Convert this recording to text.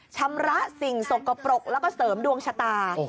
ชำระสิ่งสกปรกแล้วก็เสริมดวงชะตา